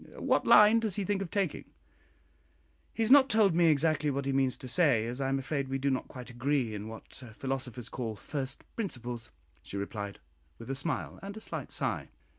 "What line does he think of taking?" "He has not told me exactly what he means to say, as I am afraid we do not quite agree in what philosophers call 'first principles,'" she replied, with a smile and a slight sigh.